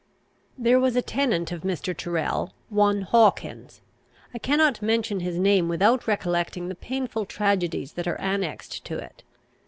There was a tenant of Mr. Tyrrel, one Hawkins; I cannot mention his name without recollecting the painful tragedies that are annexed to it!